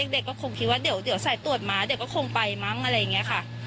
เด็กก็คงคิดว่าเดี๋ยวสายตรวจมาเดี๋ยวก็คงไปมั้งอะไรอย่างนี้ค่ะ